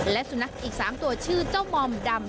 และสุนัขอีก๓ตัวชื่อเจ้ามอมดำ